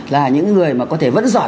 là những người mà có thể vẫn giỏi